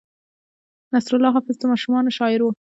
نصرالله حافظ د ماشومانو شاعر و.